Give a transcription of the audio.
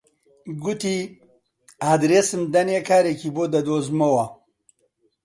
گوتی: ئاردێسم دەنێ کارێکی بۆ دەدۆزمەوە